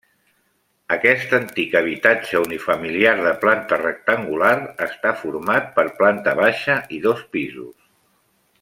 Aquest antic habitatge unifamiliar de planta rectangular està format per planta baixa i dos pisos.